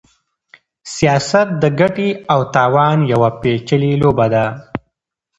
سياست د ګټې او تاوان يوه پېچلې لوبه ده.